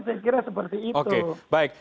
saya kira seperti itu